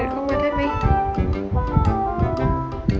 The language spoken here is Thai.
อยู่ไหนอยู่ไหน